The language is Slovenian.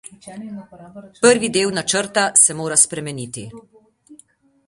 Prvi del načrta se mora spremeniti.